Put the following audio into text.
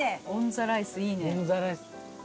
オンザライスいいね。